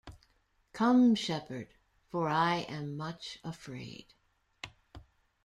Come, Shepherd, for I am much afraid!